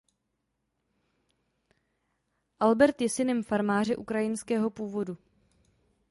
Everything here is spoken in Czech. Albert je synem farmáře ukrajinského původu.